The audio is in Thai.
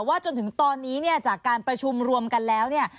จนถึงตอนนี้เนี่ยจากการประชุมรวมกันแล้วเนี่ย